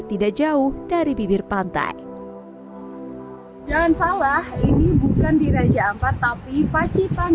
tidak jauh dari bibir pantai jangan salah ini bukan di raja ampat tapi pacitan